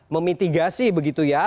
memitigasi begitu ya